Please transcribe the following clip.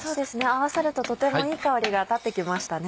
合わさるととてもいい香りが立ってきましたね。